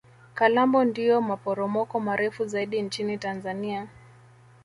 Kalambo ndio maporomoko marefu zaidi nchini tanzania